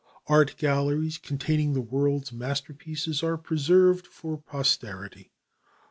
Art galleries containing world's masterpieces are preserved for posterity.